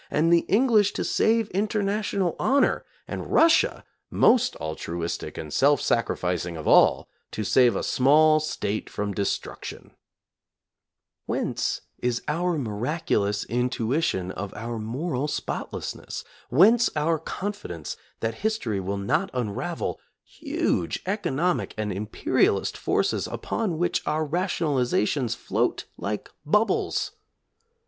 And the English to save international honor! And Russia, most altruistic and self sacrificing of all, to save a small State from destruction ! Whence is our miraculous intuition of our moral spotless ness*? Whence our confidence that history will not unravel huge economic and imperialist forces upon which our rationalizations float like bubbles'?